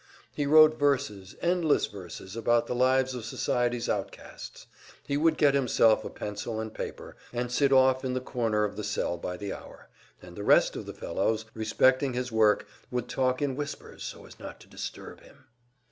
He wrote verses, endless verses about the lives of society's outcasts; he would get himself a pencil and paper and sit off in the corner of the cell by the hour, and the rest of the fellows, respecting his work, would talk in whispers so as not to disturb him.